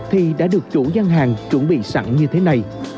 thì đã được chủ gian hàng chuẩn bị sẵn như thế này